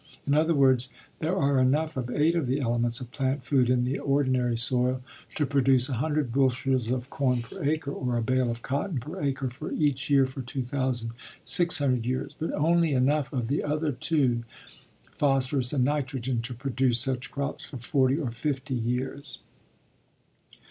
In other words, there are enough of eight of the elements of plant food in the ordinary soil to produce 100 bushels of corn per acre or a bale of cotton per acre for each year for 2,600 years; but only enough of the other two, phosphorus and nitrogen, to produce such crops for forty or fifty years.